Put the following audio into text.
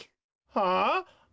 はあ？